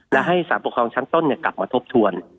และให้สารปกครองชั้นต้นกลับมาทบทวน